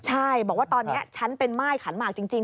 ใช่บอกว่าตอนนี้ฉันเป็นม่ายขันหมากจริง